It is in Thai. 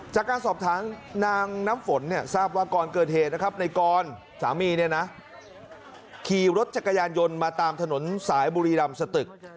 จากการสอบถามนางน้ำฝนเนี่ยทราบว่าก่อนเกิดเหตุนะครับในกรสามีเนี่ยนะขี่รถจักรยานยนต์มาตามถนนสายบุรีรำสตึก